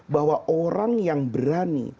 bahwa orang yang berani